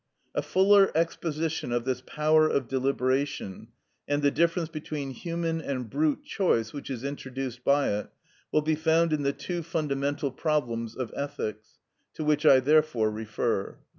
A fuller exposition of this power of deliberation, and the difference between human and brute choice which is introduced by it, will be found in the "Two Fundamental Problems of Ethics" (1st edition, p. 35, et seq.; 2d edition, p. 34, et seq.), to which I therefore refer.